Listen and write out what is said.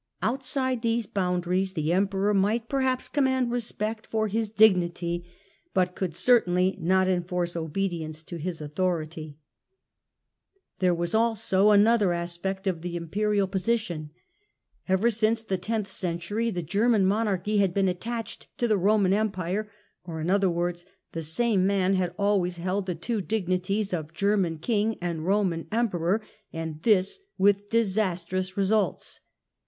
Outside these boundaries, the Emperor might perhaps command respect for his dignity, but could certainly not enforce obedience to his authority. GERMANY AND THE EMPIRE, 1273 1378 3 There was also another aspect of the Imperial posi Connection tion. Ever since the tenth century the German the Enipire Monarchy had heen attached to the Eoman Empire ; or tielmal in other words the same man had always held the two Kingsiiip dignities of German King and Koman Emperor; and this with disastrous results.